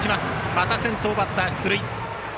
また先頭バッター出塁。